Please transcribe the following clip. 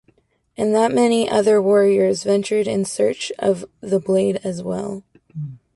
And that many other warriors ventured in search of the blade as well.